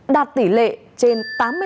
đạt tỷ lệ trên tám mươi năm